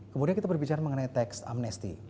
kemudian kita berbicara mengenai teks amnesti